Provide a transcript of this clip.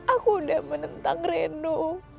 aku udah menentang reno